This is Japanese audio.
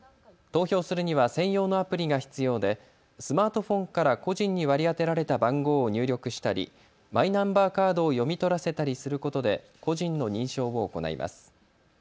投票するには専用のアプリが必要でスマートフォンから個人に割り当てられた番号を入力したりマイナンバーカードを読み取らせたりすることで個人の認証を行います。